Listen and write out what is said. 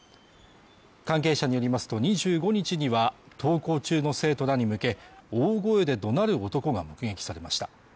関係者によりますと２５日には登校中の生徒らに向け大声で怒鳴る男が目撃されました